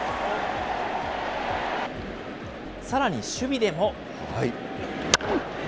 さらに守備でも。